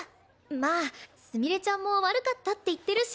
まあすみれちゃんも「悪かった」って言ってるし。